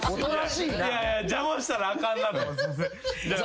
いやいや邪魔したらあかんなとすいません。